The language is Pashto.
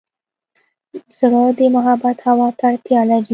زړه د محبت هوا ته اړتیا لري.